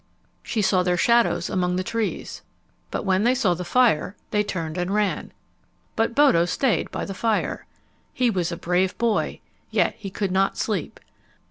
She saw their shadows among the trees. When they saw the fire they turned and ran. But Bodo stayed by the fire. He was a brave boy, yet he could not sleep.